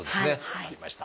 分かりました。